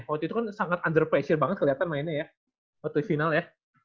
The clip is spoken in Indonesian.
waktu itu kan sangat under pressure banget keliatan mainnya ya waktu final ya